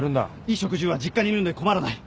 衣食住は実家にいるので困らない。